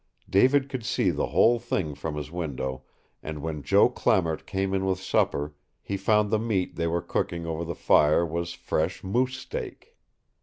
David could see the whole thing from his window, and when Joe Clamart came in with supper, he found the meat they were cooking over the fire was fresh moose steak.